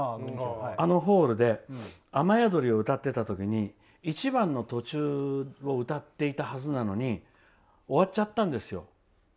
あのホールで「雨やどり」を歌っていたときに１番の途中を歌っていたのに終わっちゃったんですよ。